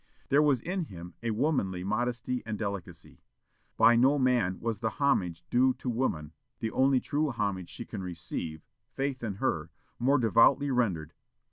There was in him a womanly modesty and delicacy.... By no man was the homage due to woman, the only true homage she can receive faith in her more devoutly rendered....